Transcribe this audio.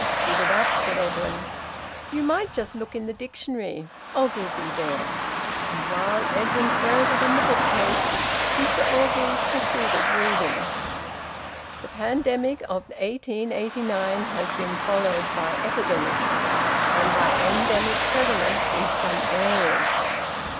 "Give it up," said Edwin. "You might just look in the dictionary Ogilvie there," and while Edwin ferreted in the bookcase, Mr Orgreave proceeded, reading: "`The pandemic of 1889 has been followed by epidemics, and by endemic prevalence in some areas!'